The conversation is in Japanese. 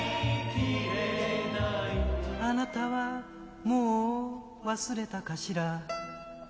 「貴方はもう忘れたかしら」